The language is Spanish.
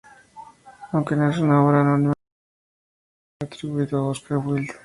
Aunque es una obra anónima, durante mucho tiempo se ha atribuido a Oscar Wilde.